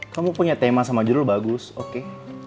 kamu punya tema sama judul bagus oke